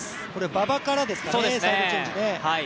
馬場からですかね、サイドチェンジ。